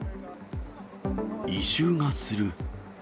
異臭がする。